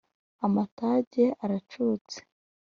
amatage aracutse